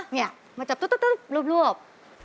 เนี่ยมาจับรวบ